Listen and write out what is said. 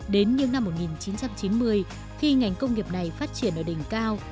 đến như năm một nghìn chín trăm chín mươi khi ngành công nghiệp này phát triển ở đỉnh cao